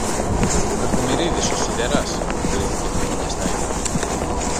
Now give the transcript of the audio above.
ο Κακομοιρίδης, ο σιδεράς, αποκρίθηκε τρεμουλιαστά η φωνή.